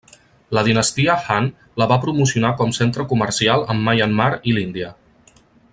La dinastia Han la va promocionar com centre comercial amb Myanmar i l'Índia.